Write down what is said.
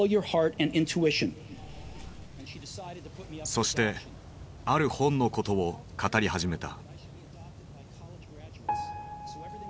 そしてある本のことを語り始めた。